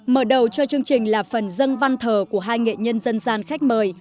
mở đầu cho chương trình là phần dân văn thờ của hai nghệ nhân dân gian khách mời